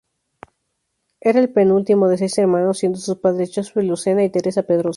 Era el penúltimo de seis hermanos, siendo sus padres Josef Lucena y Teresa Pedrosa.